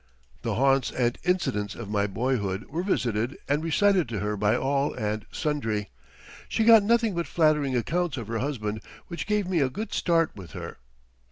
The haunts and incidents of my boyhood were visited and recited to her by all and sundry. She got nothing but flattering accounts of her husband which gave me a good start with her.